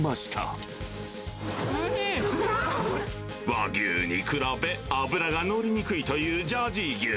和牛に比べ、脂が乗りにくいというジャージー牛。